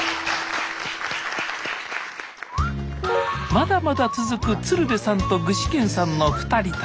まだまだ続く鶴瓶さんと具志堅さんの２人旅。